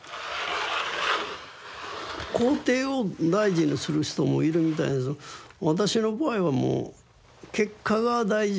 工程を大事にする人もいるみたいですけど私の場合はもう結果が大事であって。